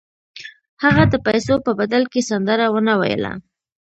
هغه د پیسو په بدل کې سندره ونه ویله